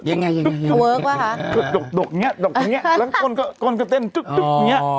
เฮ้อเวิ๊กวะค่ะจุดดกงี้จุดดกเนี่ยตกจะเต้นจุดเนี่ย